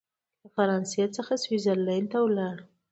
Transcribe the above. له فرانسې څخه سویس زرلینډ ته ولاړ.